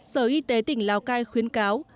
sở y tế tỉnh lào cai khuyến cáo